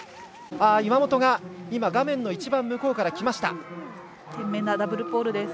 岩本が画面の一番向こうから来ました。